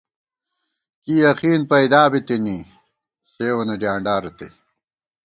کی یقین پَئیدِیا بِتِنی، سیوں وَنہ ڈیانڈا رتئ